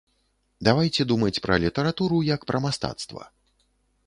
Давайце думаць пра літаратуру як пра мастацтва.